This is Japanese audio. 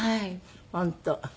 本当。